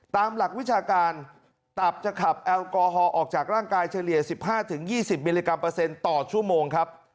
ตามหลักวิชาการตับจะขับแอลกอฮอลออกจากร่างกายเฉลี่ย๑๕๒๐มิลลิกรัมเปอร์เซ็นต์ต่อชั่วโมงครับ